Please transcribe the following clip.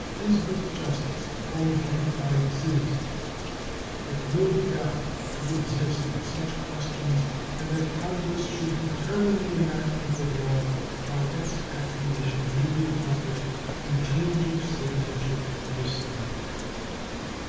It is but justice to all bona fide citizens that no doubt should exist on such questions, and that Congress should determine by enactment of law how expatriation may be accomplished and change of citizenship be established.